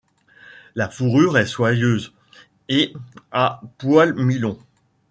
La fourrure est soyeuse et à poil mi-long.